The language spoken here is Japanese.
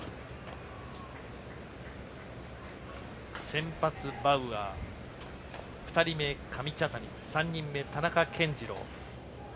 先発、バウアー２人目、上茶谷３人目、田中健二朗。